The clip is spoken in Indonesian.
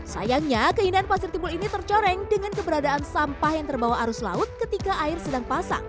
sayangnya keindahan pasir timbul ini tercoreng dengan keberadaan sampah yang terbawa arus laut ketika air sedang pasang